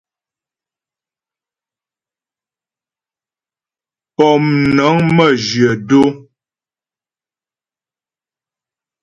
Pómnəŋ məjyə̂ dó.